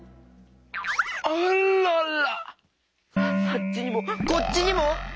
あっちにもこっちにも。